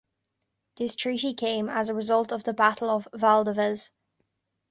This treaty came as of a result of the Battle of Valdevez.